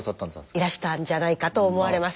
いらしたんじゃないかと思われます。